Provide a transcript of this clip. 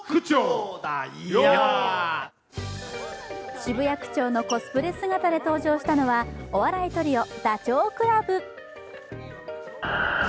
渋谷区長のコスプレ姿で登場したのはお笑いトリオ、ダチョウ倶楽部。